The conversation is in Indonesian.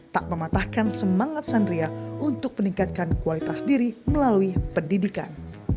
tak mematahkan semangat sandria untuk meningkatkan kualitas diri melalui pendidikan